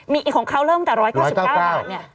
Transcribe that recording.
มีของเขาเริ่มแต่๑๙๙บาท